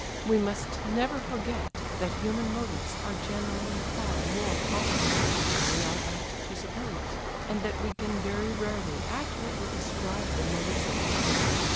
We must never forget that human motives are generally far more complicated than we are apt to suppose, and that we can very rarely accurately describe the motives of another.